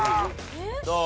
どう？